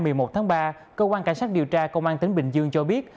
ngày một mươi một tháng ba cơ quan cảnh sát điều tra công an tỉnh bình dương cho biết